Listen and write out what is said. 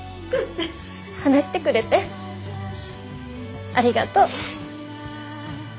話してくれてありがとう。